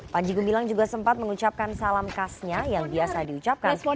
panji gumilang juga sempat mengucapkan salam khasnya yang biasa diucapkan